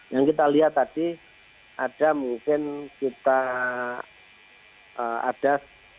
yang kita lihat tadi ada mungkin kita ada